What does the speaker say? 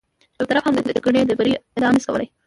یو طرف هم د جګړې د بري ادعا نه شي کولی.